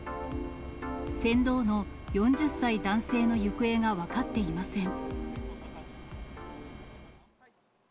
船頭の４０歳男性の行方が分かっていません。